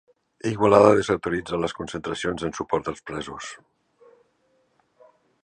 Igualada desautoritza les concentracions en suport als presos